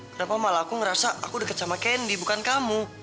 kenapa malah aku ngerasa aku dekat sama kendi bukan kamu